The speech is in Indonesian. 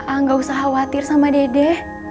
a gak usah khawatir sama dede